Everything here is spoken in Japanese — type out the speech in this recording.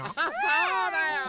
そうだよ。